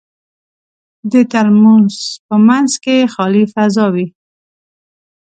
د ترموز په منځ کې خالي فضا وي.